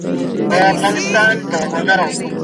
څېړونکي ډېر وخت په مطالعه تېروي.